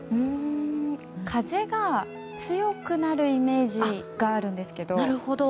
風が強くなるイメージがあるんですけど。